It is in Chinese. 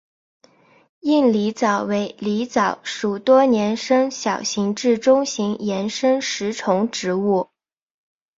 硬狸藻为狸藻属多年生小型至中型岩生食虫植物。